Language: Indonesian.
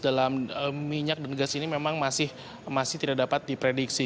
dalam minyak dan gas ini memang masih tidak dapat diprediksi